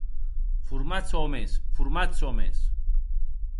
Formatz òmes, formatz òmes.